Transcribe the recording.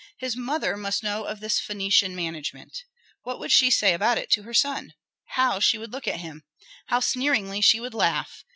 His mother must know of this Phœnician management. What would she say about it to her son? How she would look at him! How sneeringly she would laugh!